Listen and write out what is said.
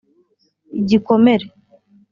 Igikomere